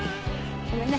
ごめんね。